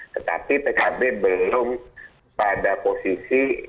tetapi pkb belum pada posisi